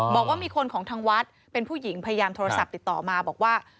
บอกว่ามีคนของทางวัดเป็นผู้หญิงพยายามโทรศัพท์ติดต่อมาบอกว่า